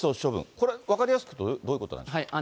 これ、分かりやすく言うと、どういうことなんですか。